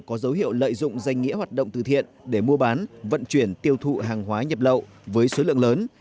có dấu hiệu lợi dụng danh nghĩa hoạt động từ thiện để mua bán vận chuyển tiêu thụ hàng hóa nhập lậu với số lượng lớn